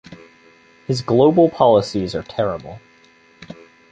His global policies are terrible.